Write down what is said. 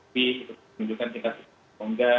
menunjukkan tingkat bongga